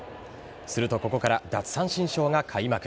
するとここから奪三振ショーが開幕。